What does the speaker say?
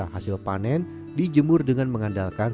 hasil panen dijemur dengan mengandalkan